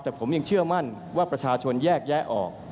แต่ผมยังเชื่อมั่นว่าประชาชนแยกแยะออก